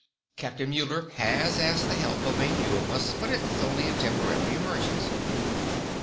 Captain Muller has asked the help of a few of us, but it's only a temporary emergency."